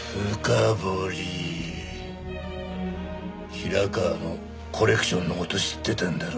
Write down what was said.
平川のコレクションの事知ってたんだろ？